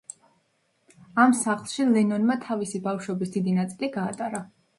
ამ სახლში ლენონმა თავისი ბავშვობის დიდი ნაწილი გაატარა.